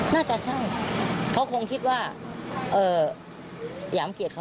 น่าจะใช่เค้าคงคิดว่าอย่ามาเกลียดเขา